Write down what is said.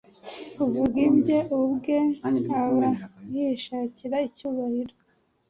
«Uvuga ibye ubwe aba yishakira icyubahiro,